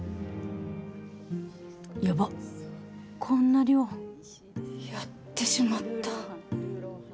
やば、こんな量。やってしまった。